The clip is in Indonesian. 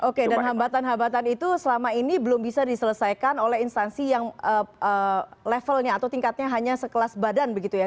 oke dan hambatan hambatan itu selama ini belum bisa diselesaikan oleh instansi yang levelnya atau tingkatnya hanya sekelas badan begitu ya